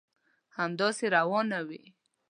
همداسي روانه وي.